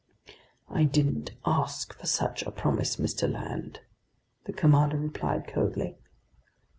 "I didn't ask for such a promise, Mr. Land," the commander replied coldly.